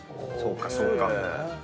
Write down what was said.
そうかそうか。